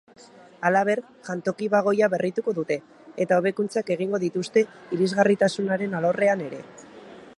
Halaber, jantoki-bagoia berrituko dute, eta hobekuntzak egingo dituzte irisgarritasunaren alorrean ere.